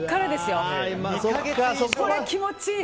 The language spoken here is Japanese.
これ気持ちいい！